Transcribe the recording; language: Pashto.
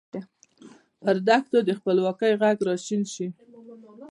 پر دښتونو د خپلواکۍ ږغ را شین شي